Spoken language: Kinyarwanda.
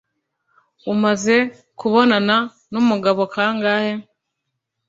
umaze kubonana n'umugabo kangahe .